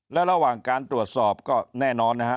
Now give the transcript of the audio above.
และระหว่างการตรวจสอบก็แน่นอนนะฮะ